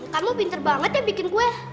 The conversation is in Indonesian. kamu pinter banget ya bikin kue